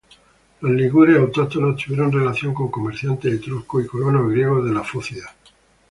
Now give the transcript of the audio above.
Los ligures autóctonos tuvieron relación con comerciantes etruscos y colonos griegos de Fócida.